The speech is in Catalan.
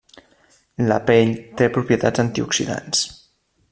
La pell té propietats antioxidants.